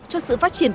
cho sự phát triển